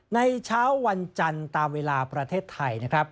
ในเช้าวันจันทร์ตามเวลาประเทศไทยนะครับ